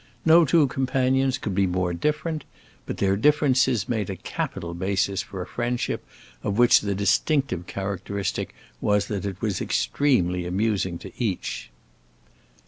No two companions could be more different, but their differences made a capital basis for a friendship of which the distinctive characteristic was that it was extremely amusing to each.